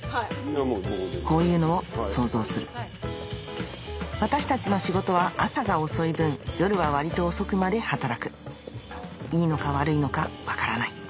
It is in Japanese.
こういうのを想像する私たちの仕事は朝が遅い分夜は割と遅くまで働くいいのか悪いのか分からない